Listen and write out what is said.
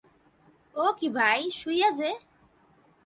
ও কী ভাই, শুইয়া যে!